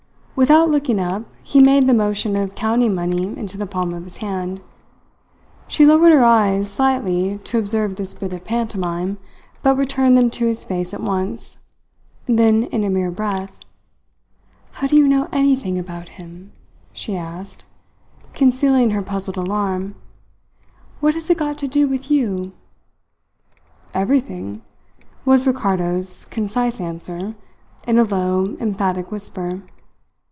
Without looking up, he made the motion of counting money into the palm of his hand. She lowered her eyes slightly to observe this bit of pantomime, but returned them to his face at once. Then, in a mere breath: "How do you know anything about him?" she asked, concealing her puzzled alarm. "What has it got to do with you?" "Everything," was Ricardo's concise answer, in a low, emphatic whisper.